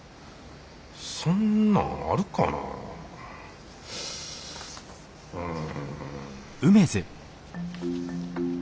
そんなんあるかなうん。